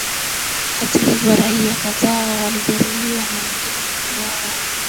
Hata hivyo raia kadhaa walijeruhiwa na wengine kuuawa